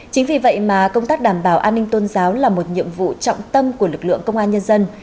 chính vì vậy mà công tác đảm bảo an ninh tôn giáo là một nhiệm vụ trọng tâm của lực lượng công an nhân dân